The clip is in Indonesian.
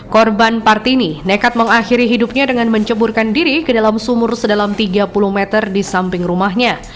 korban partini nekat mengakhiri hidupnya dengan menceburkan diri ke dalam sumur sedalam tiga puluh meter di samping rumahnya